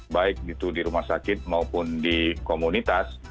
baik itu di rumah sakit maupun di komunitas